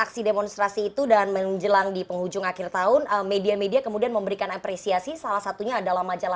hidup mahasiswa hidup rakyat indonesia